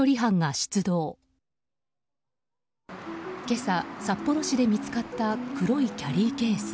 今朝、札幌市で見つかった黒いキャリーケース。